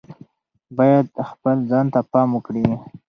باید خپل ځان ته پام وکړي.